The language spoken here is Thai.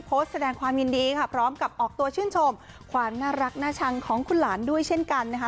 โพสต์แสดงความยินดีค่ะพร้อมกับออกตัวชื่นชมความน่ารักน่าชังของคุณหลานด้วยเช่นกันนะคะ